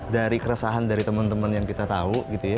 dari keresahan dari teman teman yang kita tahu gitu ya